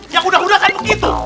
yang udah udah kayak begitu